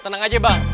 tenang aja bang